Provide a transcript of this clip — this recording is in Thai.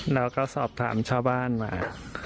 แล้วก็สอบถามชาวบ้านก็มา